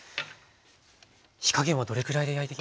火加減はどれくらいで焼いていきますか？